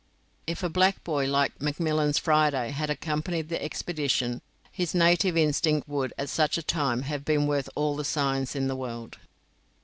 If a black boy like McMillan's Friday had accompanied the expedition, his native instinct would, at such a time, have been worth all the science in the world.